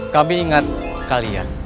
kami ingat kalian